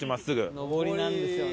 上りなんですよね。